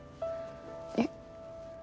えっ。